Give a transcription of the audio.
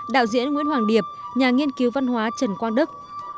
đạo diễn nguyễn hoàng điệp nhà nghiên cứu văn hóa trần quang đức